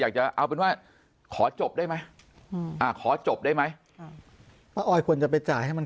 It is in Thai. จะเอาเป็นว่าขอจบได้ไหมขอจบได้ไหมป้าออยควรจะไปจ่ายให้มัน